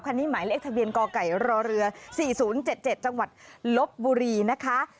หมายเลขทะเบียนกไก่รอเรือ๔๐๗๗จังหวัดลบบุรีนะคะ